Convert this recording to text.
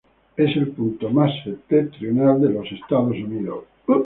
Es el punto más septentrional de los Estados Unidos.